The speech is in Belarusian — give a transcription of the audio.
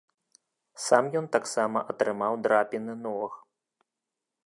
Сам ён таксама атрымаў драпіны ног.